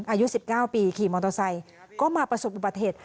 อายุ๑๙ปีขี่มอเตอร์ไซค์ก็มาประสบประเทศ